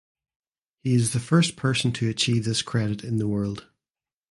He is the first person to achieve this credit in the world.